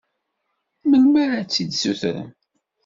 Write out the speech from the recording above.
Melmi ara tt-id-sutrem?